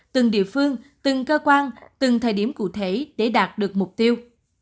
từng địa phương từng cơ quan từng thời điểm cụ thể để đạt được mục tiêu